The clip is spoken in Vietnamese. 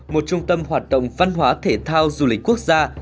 một trung tâm hoạt động văn hóa thể thao du lịch quốc gia